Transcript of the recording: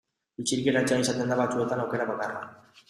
Isilik geratzea izaten da batzuetan aukera bakarra.